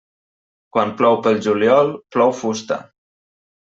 Quan plou pel juliol plou fusta.